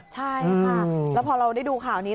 ใช่ค่ะแล้วพอเราได้ดูข่าวนี้